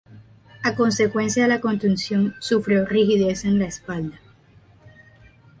A consecuencia de la contusión sufrió rigidez en la espalda.